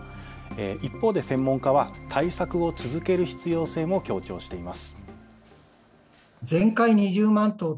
一方で専門家は対策を続ける必要性を強調しています。